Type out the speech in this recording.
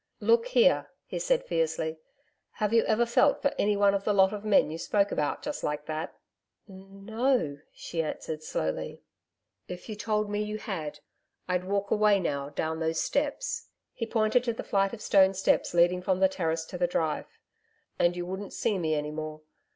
Look here,' he said fiercely, 'have you ever felt for any one of the lot of men you spoke about just like that?' 'N no,' she answered slowly. 'If you told me you had, I'd walk away now down those steps ' he pointed to the flight of stone steps leading from the terrace to the drive 'and you wouldn't see me any more....